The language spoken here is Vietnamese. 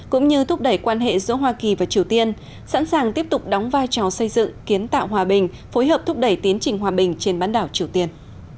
cũng như thúc đẩy quan hệ giữa hoa kỳ và triều tiên sẵn sàng tiếp tục đóng vai trò xây dựng kiến tạo hòa bình phối hợp thúc đẩy tiến trình hòa bình trên bán đảo triều tiên